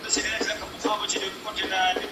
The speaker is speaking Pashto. مقننه قوه څنګه قوانين جوړوي؟